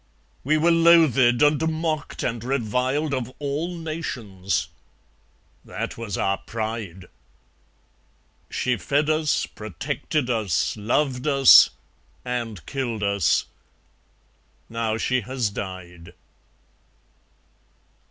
We were loathed and mocked and reviled of all nations; that was our pride. She fed us, protected us, loved us, and killed us; now She has died.